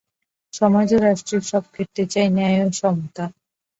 সমাজ ও রাষ্ট্রের সব ক্ষেত্রে চাই ন্যায় ও সমতা।